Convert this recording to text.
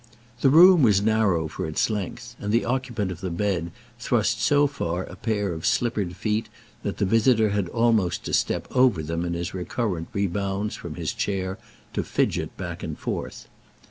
The room was narrow for its length, and the occupant of the bed thrust so far a pair of slippered feet that the visitor had almost to step over them in his recurrent rebounds from his chair to fidget back and forth.